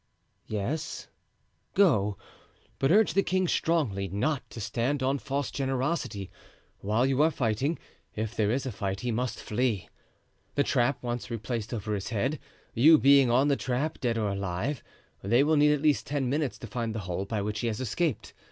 "Yes, go; but urge the king strongly not to stand on false generosity. While you are fighting if there is a fight, he must flee. The trap once replaced over his head, you being on the trap, dead or alive, they will need at least ten minutes to find the hole by which he has escaped.